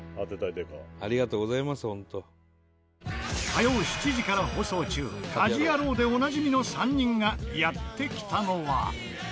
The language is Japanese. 火曜７時から放送中『家事ヤロウ！！！』でおなじみの３人がやって来たのは。